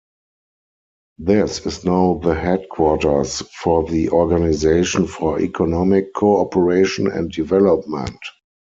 This is now the headquarters for the Organisation for Economic Co-operation and Development.